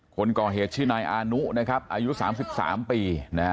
คนก่อเหตุชื่อนายอานุนะครับอายุ๓๓ปี